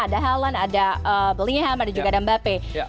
ada haalan ada bellingham ada juga ada mbappe